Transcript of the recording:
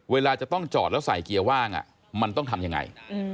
เวลาจะต้องจอดแล้วใส่เกียร์ว่างมันต้องทำยังไง